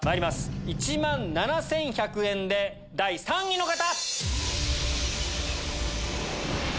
１万７１００円で第３位の方！